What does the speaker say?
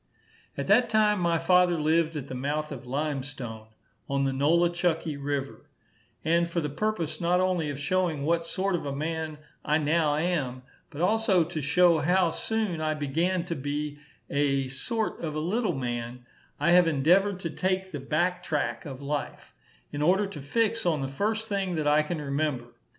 At that time my father lived at the mouth of Lime Stone, on the Nola chucky river; and for the purpose not only of showing what sort of a man I now am, but also to show how soon I began to be a sort of a little man, I have endeavoured to take the back track of life, in order to fix on the first thing that I can remember.